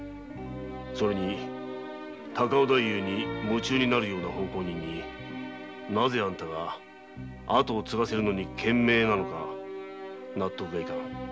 それに高尾太夫に夢中になるような奉公人になぜあんたが跡をつがせるのに懸命なのか納得がいかん。